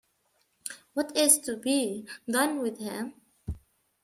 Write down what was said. What is to be done with him?